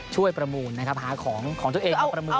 ช่วยประมูลหาของตัวเองเอาประมูล